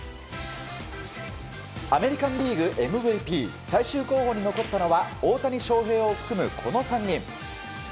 アメリカン・リーグＭＶＰ最終候補に残ったのは大谷翔平を含む、この３人。